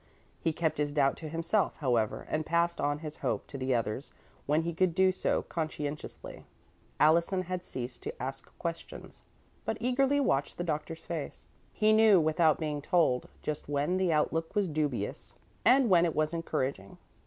He kept his doubt to himself, however, and passed on his hope to the others when he could do so conscientiously. Allison had ceased to ask questions, but eagerly watched the doctor's face. He knew, without being told, just when the outlook was dubious and when it was encouraging.